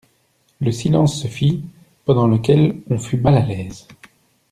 Le silence se fit, pendant lequel on fut mal à l'aise.